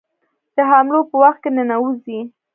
د حملو په وخت کې ننوزي.